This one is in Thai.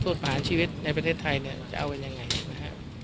ประหารชีวิตในประเทศไทยเนี่ยจะเอากันยังไงนะฮะ